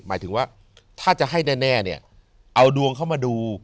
หมายถึงว่าถ้าจะให้แน่เนี่ยเอาดวงเข้ามาดู